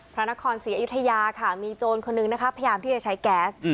พระนครศรีอยุธยาค่ะมีโจรคนนึงนะคะพยายามที่จะใช้แก๊ส